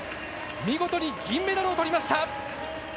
見事に銀メダルをとりました！